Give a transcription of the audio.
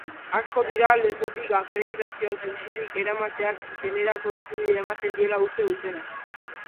Asko dira lepotik akreditazioa zintzilik eramateak denerako eskubidea ematen diela uste dutenak.